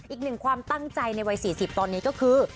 อีกหนึ่งความตั้งใจในวัย๔๐ตอนนี้ก็คือ